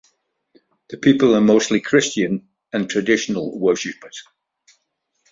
The people are mostly Christian and traditional worshippers.